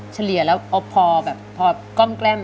เฉลี่ยแล้วพอแบบพอก้อมแกล้ม